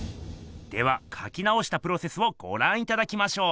ではかきなおしたプロセスをごらんいただきましょう。